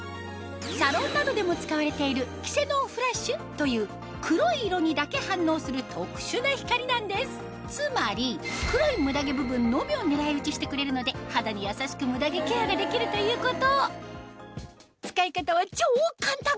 サロンなどでも使われているキセノンフラッシュという黒い色にだけ反応する特殊な光なんですつまり黒いムダ毛部分のみを狙い撃ちしてくれるので肌に優しくムダ毛ケアができるということ使い方は超簡単！